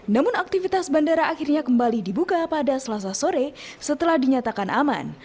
namun aktivitas bandara akhirnya kembali dibuka pada selasa sore setelah dinyatakan aman